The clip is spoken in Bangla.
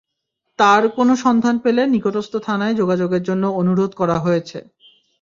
তার কোনো সন্ধান পেলে নিকটস্থ থানায় যোগাযোগের জন্য অনুরোধ করা হয়েছে।